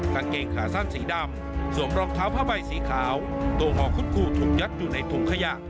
กางเกงขาสั้นสีดำสวมรองเท้าผ้าใบสีขาวตัวห่อคุดคูถูกยัดอยู่ในถุงขยะ